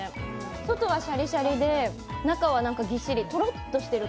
外はシャリシャリで中はぎっしりとろっとしてる。